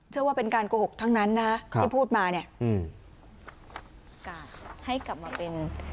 เชื่อว่าเป็นการโกหกทั้งนั้นนะที่พูดมานี่